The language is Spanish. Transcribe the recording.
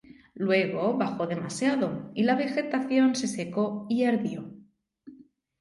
Luego bajó demasiado, y la vegetación se secó y ardió.